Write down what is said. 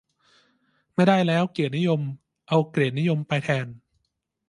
ไม่ได้แล้วเกียรตินิยม เอาเกรดนิยมไปแทน